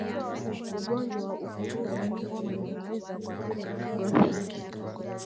Ugonjwa wa ukurutu kwa ngombe unaweza kuathiri mifugo mingine